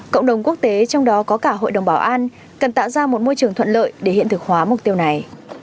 cộng đồng quốc tế trong đó có cả hội đồng bảo an cần tạo ra một môi trường thuận lợi để hiện thực hóa mục tiêu này